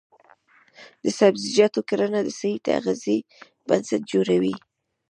د سبزیجاتو کرنه د صحي تغذیې بنسټ جوړوي.